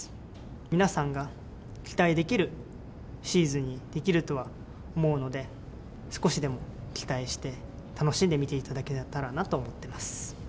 皆さんが期待できるシーズンにできるとは思うので、少しでも期待して楽しんで見ていただけたらなと思ってます。